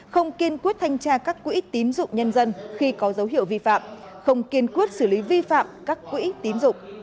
không kiên quyết thanh tra các quỹ tín dụng nhân dân khi có dấu hiệu vi phạm không kiên quyết xử lý vi phạm các quỹ tín dụng